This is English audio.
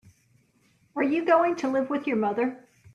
Are you going to live with your mother?